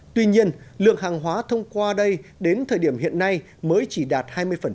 tuy nhiên lượng hàng hóa thông qua đây đến thời điểm hiện nay mới chỉ đạt hai mươi